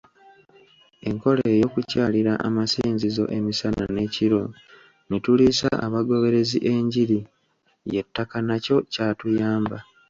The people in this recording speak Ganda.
Enkola ey'okukyalira amasinzizo emisana n'ekiro ne tuliisa abagoberezi enjiri y'ettaka nakyo kyatuyamba.